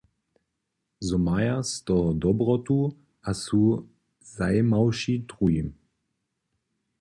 Zo maja z toho dobrotu a su zajimawši druhim.